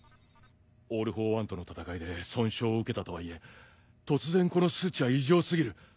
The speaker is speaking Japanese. オール・フォー・ワンとの戦いで損傷を受けたとはいえ突然この数値は異常過ぎる。